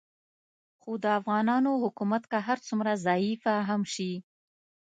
خو د افغانانو حکومت که هر څومره ضعیفه هم شي